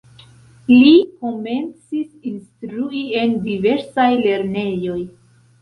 Li komencis instrui en diversaj lernejoj.